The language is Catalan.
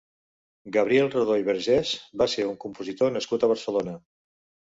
Gabriel Rodó i Vergés va ser un compositor nascut a Barcelona.